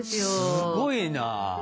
すごいな。